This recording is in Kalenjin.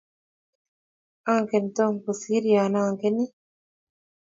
angen Tom kusir ya angenin